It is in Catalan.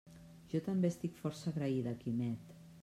Jo també estic força agraïda, Quimet.